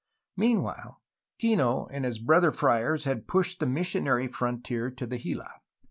Meanwhile, Kino and his brother friars had pushed the missionary frontier to the Gila.